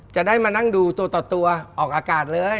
จะได้มานั่งดูตัวออกอากาศเลย